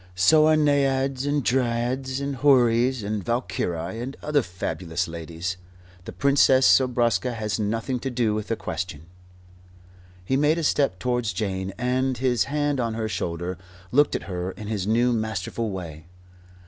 So are Naiads and Dryads and Houris and Valkyrie and other fabulous ladies. The Princess Zobraska has nothing to do with the question." He made a step towards Jane and, his hand on her shoulder, looked at her in his new, masterful way.